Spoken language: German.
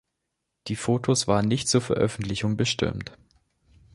Die Fotos waren nicht zur Veröffentlichung bestimmt.